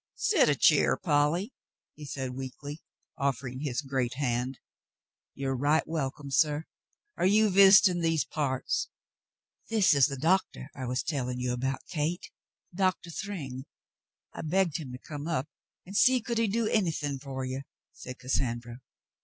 "Set a cheer, Polly," he said weakly, offering his great hand. "You are right welcome, suh. Are you visitin' these parts ?'* "This is the doctor I was telling you about, Cate, — Doctor Thryng. I begged him to come up and see could he do anything for you," said Cassandra.